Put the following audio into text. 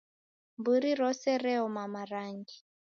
Mburi rose reoma marangi